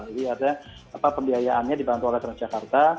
jadi ada pembiayaannya dibantu oleh transjakarta